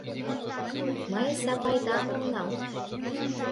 Мый Сапайдам ом нал!